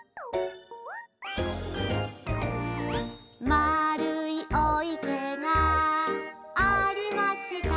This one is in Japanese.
「まるいお池がありました」